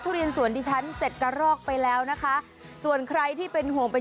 ทุเรียนสวนดิฉันเสร็จกระรอกไปแล้วนะคะส่วนใครที่เป็นห่วงเป็น